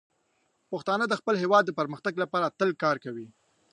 پښتانه د خپل هیواد د پرمختګ لپاره تل کار کوي.